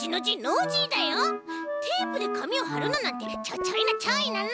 テープでかみをはるのなんてちょちょいのちょいなの！